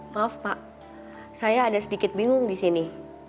maaf pak saya ada sedikit bingung di sini